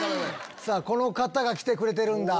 この方が来てくれてるんだ。